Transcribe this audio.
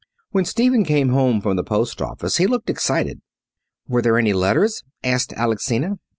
When Stephen came home from the post office he looked excited. "Were there any letters?" asked Alexina.